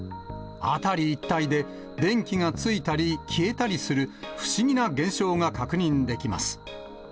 辺り一帯で電気がついたり消えたりする、不思議な現象が確認できます。